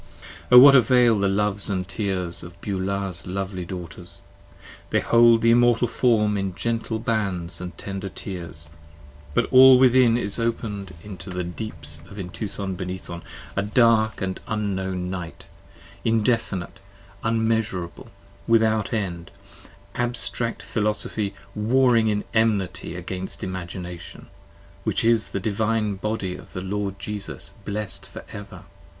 O what avail the loves & tears of Beulah's lovely Daughters? 55 They hold the Immortal Form in gentle bands & tender tears, But all within is open'd into the deeps of Entuthon Benython A dark and unknown night, indefinite, unmeasurable, without end, Abstract Philosophy warring in enmity against Imagination (Which is the Divine Body of the Lord Jesus, blessed for ever.)